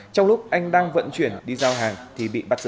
trong lúc anh đang vận chuyển đi giao hàng thì bị bắt giữ